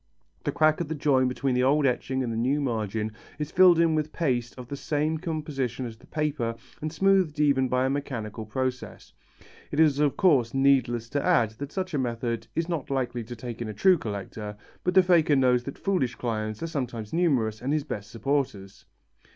The crack of the join between the old etching and the new margin is filled in with paste of the same composition as the paper and smoothed even by a mechanical process. It is of course needless to add that such a method is not likely to take in a true collector, but the faker knows that foolish clients are sometimes numerous and his best supporters.